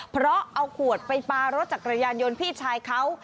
เพราะเอาขวดไปปลารถจักรยานยนต์พี่ชายเขา